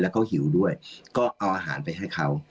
แล้วก็หิวด้วยก็เอาอาหารไปให้เขา